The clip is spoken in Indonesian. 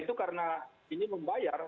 itu karena ini membayar